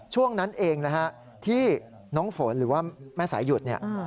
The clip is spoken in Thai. ช่วงนั้นเองที่น้องฝนหรือว่าแม่สายหยุด